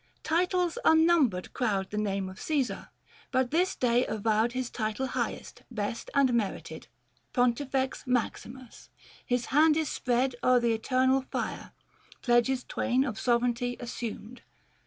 Titles unnumbered crowd The name of Cresar ; but this day avowed His title highest, best and merited — Pontiiex Maximus; his hand is spread 450 Book III. THE FASTI. 83 O'er the eternal fire ; pledges twain Of sovereignty assumed.